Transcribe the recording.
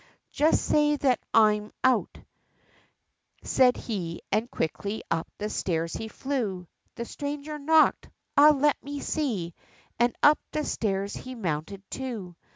Just say that I am out," said he, and quickly up the stairs he flew, The stranger knocked. "Ah, let me see," and up the stairs he mounted, too.